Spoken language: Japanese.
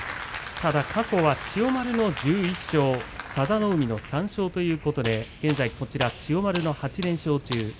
過去は千代丸１１勝、佐田の海３勝ということで現在、千代丸の８連勝中です。